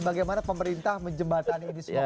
bagaimana pemerintah menjembatani ini semua